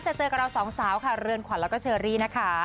เจอกับเราสองสาวค่ะเรือนขวัญแล้วก็เชอรี่นะคะ